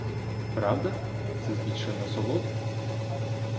Правда, це збільшує насолоду?